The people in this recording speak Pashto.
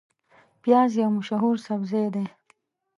پیاز یو مشهور سبزی دی